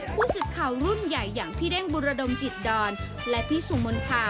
ผู้สื่อข่าวรุ่นใหญ่อย่างพี่เด้งบุรดมจิตดอนและพี่สุมนทา